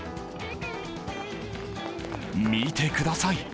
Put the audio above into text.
見てください